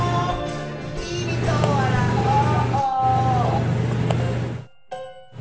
きみとわらおう！」